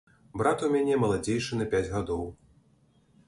Брат у мяне маладзейшы на пяць гадоў.